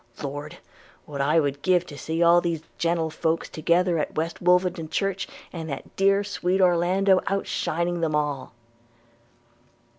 – Lord! what would I give to see all these gentlefolks together at West Wolverton church, and that dear sweet Orlando outshining them all!'